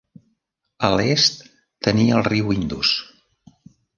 A l'est tenia el riu Indus.